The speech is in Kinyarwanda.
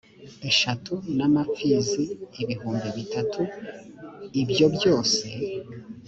eshatu n amapfizi ibihumbi bitatu ibyo byose